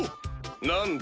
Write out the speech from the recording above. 何だ？